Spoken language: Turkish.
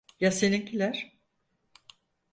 Ya seninkiler?